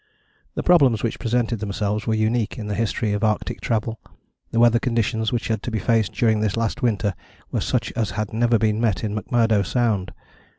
The problems which presented themselves were unique in the history of Arctic travel, the weather conditions which had to be faced during this last winter were such as had never been met in McMurdo Sound!